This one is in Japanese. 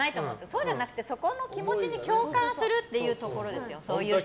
そうじゃなくて、そこの気持ちに共感するところです。